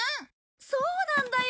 そうなんだよ。